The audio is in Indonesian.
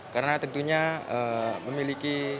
karena tentunya memiliki